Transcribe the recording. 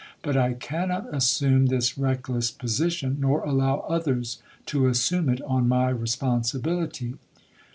But I cannot assume this reckless position, nor allow others to assume it on my responsibility.